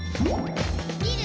「みる！